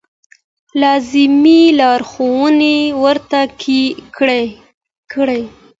لازمې لارښوونې ورته کېږي.